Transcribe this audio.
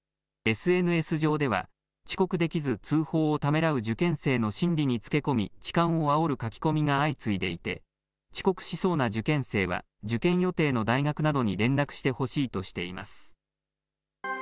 ＳＮＳ上では、遅刻できず通報をためらう受験生の心理につけ込み、痴漢をあおる書き込みが相次いでいて、遅刻しそうな受験生は、受験予定の大学などに連絡してほしいとしています。